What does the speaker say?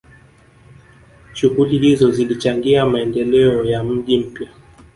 shughuli hizo zilichangia maendeleo ya mji mpya